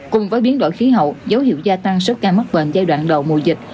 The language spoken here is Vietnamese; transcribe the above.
cùng với biến đổi khí hậu dấu hiệu gia tăng số ca mắc bệnh giai đoạn đầu mùa dịch